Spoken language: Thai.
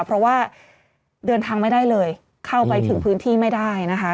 เพราะว่าเดินทางไม่ได้เลยเข้าไปถึงพื้นที่ไม่ได้นะคะ